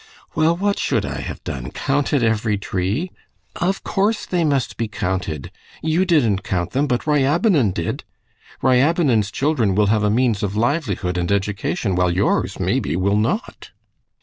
"Well, what should I have done? Counted every tree?" "Of course, they must be counted. You didn't count them, but Ryabinin did. Ryabinin's children will have means of livelihood and education, while yours maybe will not!"